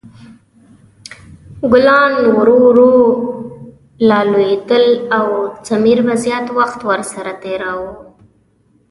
ګلان ورو ورو لا لویدل او سمیر به زیات وخت ورسره تېراوه.